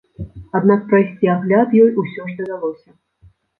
Аднак прайсці агляд ёй усё ж давялося.